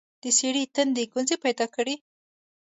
د سړي تندي ګونځې پيداکړې.